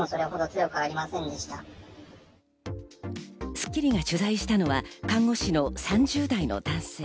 『スッキリ』が取材したのは看護師の３０代の男性。